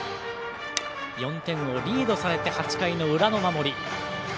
４点をリードされて８回の裏の守り。